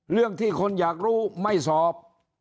เรื่องที่คนอยากรู้ไม่สอบ